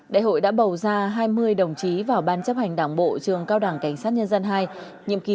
đại hội đã bầu ra hai mươi đồng chí vào ban chấp hành đảng bộ trường cao đảng cảnh sát nhân dân hai nhiệm kỳ hai nghìn hai mươi hai nghìn hai mươi năm